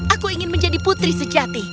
aku ingin menjadi putri sejati